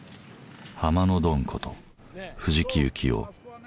「ハマのドン」こと藤木幸夫９１歳。